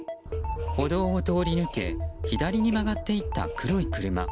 歩道を通り抜け左に曲がっていった黒い車。